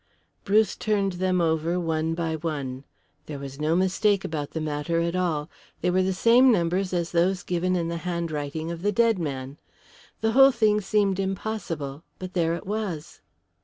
Bruce turned them over one by one. There was no mistake about the matter at all. They were the same numbers as those given in the handwriting of the dead man. The whole thing seemed impossible, but there it was.